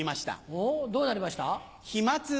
おぉどうなりました？